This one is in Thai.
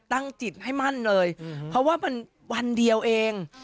ตั้งจิตให้มั่นเลยเพราะว่ามันวันเดียวเอง